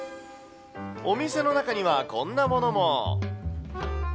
お店の中にはこんなものも。